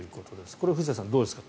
これは藤田さん、どうですか。